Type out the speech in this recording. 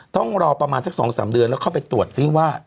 ต้องรอประมาณสัก๒๓เดือนแล้วเข้าไปตรวจซิว่า